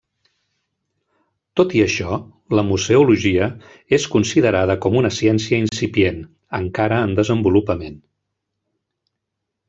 Tot i això, la museologia és considerada com una ciència incipient, encara en desenvolupament.